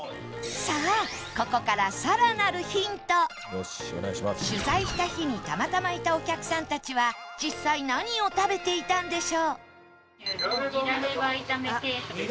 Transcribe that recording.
さあここから取材した日にたまたまいたお客さんたちは実際何を食べていたんでしょう？